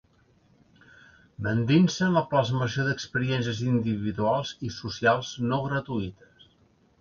M’endinse en la plasmació d’experiències individuals i socials no gratuïtes.